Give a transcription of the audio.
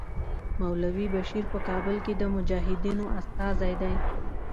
مولوي بشیر په کابل کې د مجاهدینو استازی دی.